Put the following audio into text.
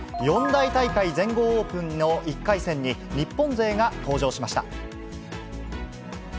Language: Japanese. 四大大会全豪オープンの１回戦に、日本勢が登場しました。